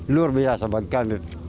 luar biasa bagi kami